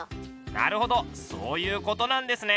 なるほどそういうことなんですね！